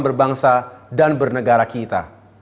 berbangsa dan bernegara kita